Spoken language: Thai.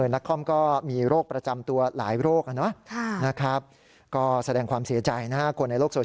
นักคล่อมก็มีโรคประจำตัวหลายโรคน่ะสแด่งความเสียใจนะครับ